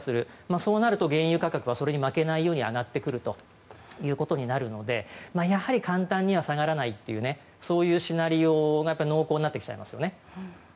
そうなると原油価格はそれに負けないように上がってくるということになるのでやはり簡単には下がらないというシナリオが濃厚になってきちゃいますね。